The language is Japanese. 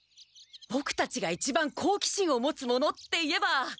ボクたちが一番好奇心を持つものっていえば。